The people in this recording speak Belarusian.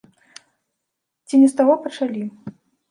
Ці не з таго пачалі.